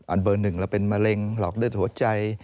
อันเบอร์๑เป็นมะเร็งหลอกเดือดหัวใจ